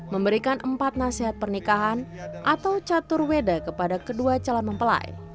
memberikan empat nasihat pernikahan atau catur weda kepada kedua calon mempelai